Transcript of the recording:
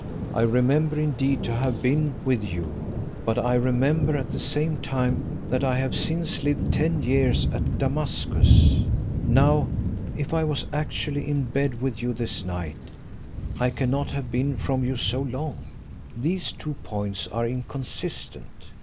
I remember indeed to have been with you, but I remember at the same time, that I have since lived ten years at Damascus. Now, if I was actually in bed with you this night, I cannot have been from you so long. These two points are inconsistent.